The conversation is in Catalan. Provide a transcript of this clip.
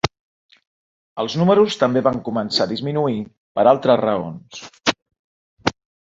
Els números també van començar a disminuir per altres raons.